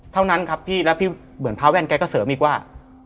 เท่านั้นครับพี่แล้วพี่เหมือนพระแว่นแกก็เสริมอีกว่า